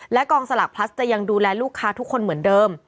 กองสลากพลัสจะยังดูแลลูกค้าทุกคนเหมือนเดิม